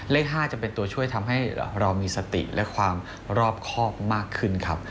เลข๕จะเป็นตัวช่วยทำให้เรามีสติและความรอบครอบมากขึ้นครับ